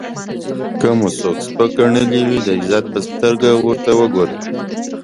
که مو څوک سپک ګڼلی وي د عزت په سترګه ورته وګورئ.